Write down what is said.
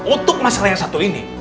untuk masalah yang satu ini